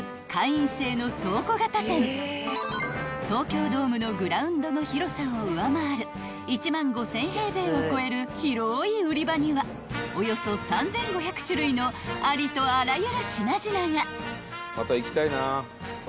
［東京ドームのグラウンドの広さを上回る１万５，０００平米を超える広い売り場にはおよそ３，５００種類のありとあらゆる品々が］